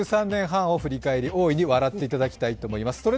１３年半を振り返り、大いに笑っていただきたいと思います。